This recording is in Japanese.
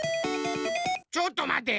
ちょっとまて。